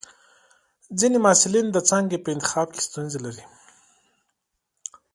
ځینې محصلین د څانګې په انتخاب کې ستونزه لري.